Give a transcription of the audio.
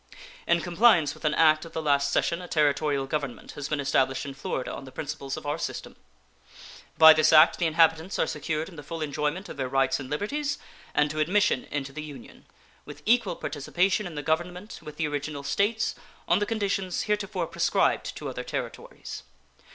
In compliance with an act of the last session a Territorial Government has been established in Florida on the principles of our system. By this act the inhabitants are secured in the full enjoyment of their rights and liberties, and to admission into the Union, with equal participation in the Government with the original States on the conditions heretofore prescribed to other Territories.